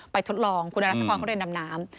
ทดลองคุณอรัชพรเขาเรียนดำน้ำ